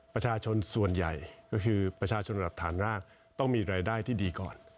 ประชาชนส่วนใหญ่ก็คือประชาชนหลักฐานร่างต้องมีรายได้ที่ดีก่อน